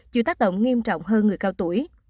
chịu tác động nghiêm trọng hơn người cao tuổi